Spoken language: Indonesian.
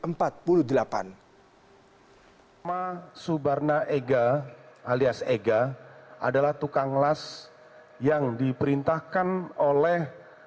emak subarna ega alias ega adalah tukang las yang diperintahkan oleh